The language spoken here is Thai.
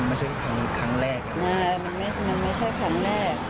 มันไม่ใช่ครั้งครั้งแรกอ่ามันไม่ใช่มันไม่ใช่ครั้งแรก